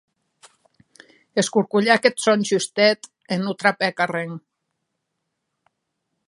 Escorcolhèc eth sòn justet e non trapèc arren.